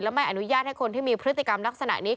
ไม่อนุญาตให้คนที่มีพฤติกรรมลักษณะนี้